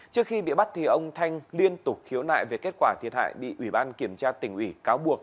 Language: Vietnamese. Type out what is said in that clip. trước khi bị bắt ông thanh liên tục khiếu nại về kết quả thiệt hại bị ủy ban kiểm tra tỉnh ủy cáo buộc